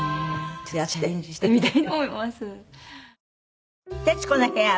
ちょっとチャレンジしてみたいと思います。